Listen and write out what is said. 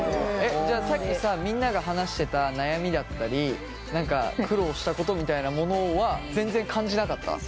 じゃあさっきさみんなが話してた悩みだったり何か苦労したことみたいなものは全然感じなかった？